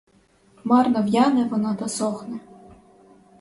Марно в'яне вона та сохне.